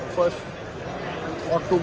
kedua duanya yang kita bawa